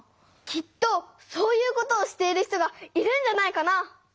きっとそういうことをしている人がいるんじゃないかな？